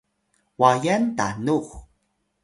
wayan tanux